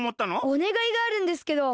おねがいがあるんですけど。